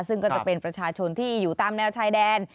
ซึ่งก็จะเป็นประชาชนที่อยู่ตามแนวชายแดน